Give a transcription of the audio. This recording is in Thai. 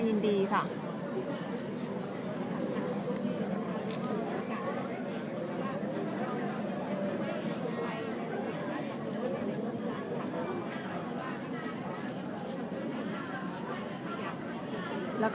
และที่อยู่ด้านหลังคุณยิ่งรักนะคะก็คือนางสาวคัตยาสวัสดีผลนะคะ